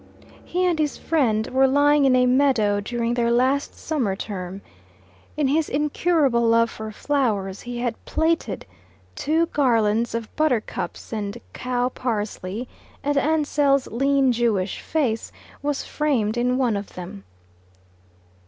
He and his friend were lying in a meadow during their last summer term. In his incurable love for flowers he had plaited two garlands of buttercups and cow parsley, and Ansell's lean Jewish face was framed in one of them.